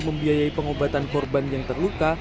membiayai pengobatan korban yang terluka